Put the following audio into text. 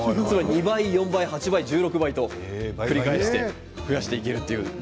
２倍４倍８倍１６倍と繰り返して増やしていけるんです。